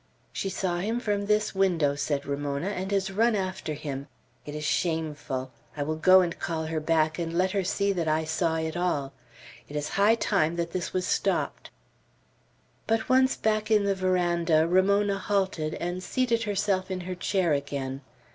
"She saw him from this window," said Ramona, "and has run after him. It is shameful. I will go and call her back, and let her see that I saw it all. It is high time that this was stopped." But once back in the veranda, Ramona halted, and seated herself in her chair again.